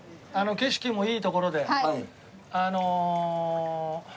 景色もいいところであの。